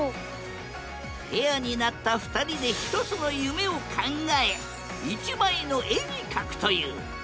ペアになった２人で１つの夢を考え１枚の絵に描くという。